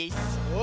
お！